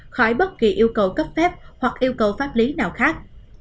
khỏi bất kỳ yêu cầu cấp phép hoặc yêu cầu pháp lý nào khác